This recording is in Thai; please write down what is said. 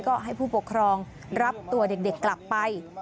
ก็ให้ผู้ปกครองรับตัวเด็กกลับไป